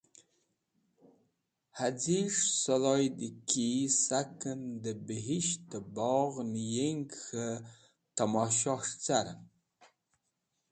Haz̃iyes̃h sũdhoyd ki saken dẽ bihisht-e bogh niyeng k̃he tamoshohes̃h caren.